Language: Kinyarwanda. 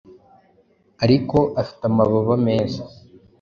ariko afite amababa meza